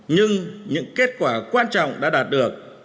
nhưng những kết quả quan trọng đã đạt được